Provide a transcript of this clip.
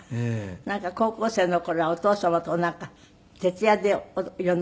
なんか高校生の頃はお父様となんか徹夜で色んなお話なすったんですって？